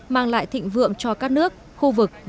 mang lại thịnh vượng cho các nước khu vực và trên thế giới